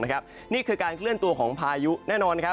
นี่คือการเคลื่อนตัวของพายุแน่นอน